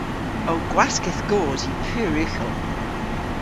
Ow gwaskedh goos yw pur ughel.